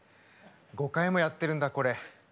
５回もやってるんだこれ。